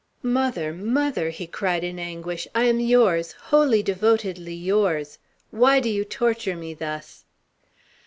"Mother! mother!" he cried in anguish. "I am yours, wholly, devotedly yours! Why do you torture me thus?"